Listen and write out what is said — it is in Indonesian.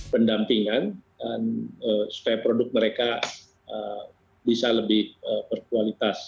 pendampingan dan supaya produk mereka bisa lebih berkualitas